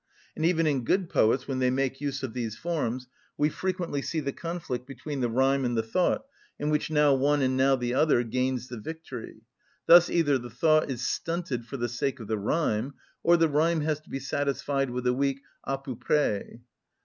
And even in good poets, when they make use of these forms, we frequently see the conflict between the rhyme and the thought, in which now one and now the other gains the victory; thus either the thought is stunted for the sake of the rhyme, or the rhyme has to be satisfied with a weak à peu près.